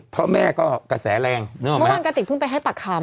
เพราะแม่ก็กระแสแรงนึกออกเมื่อวานกระติกเพิ่งไปให้ปากคำ